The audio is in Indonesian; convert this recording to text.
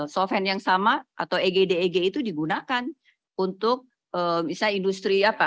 solven yang sama atau egdeg itu digunakan untuk misalnya industri apa